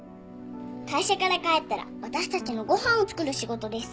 「会社から帰ったら私たちのご飯を作る仕事です」